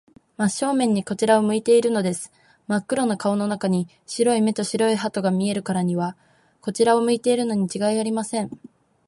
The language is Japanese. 真正面にこちらを向いているのです。まっ黒な顔の中に、白い目と白い歯とが見えるからには、こちらを向いているのにちがいありません。